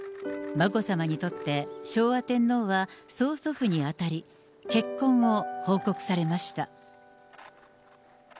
眞子さまにとって、昭和天皇は曽祖父に当たり、結婚を報告されました。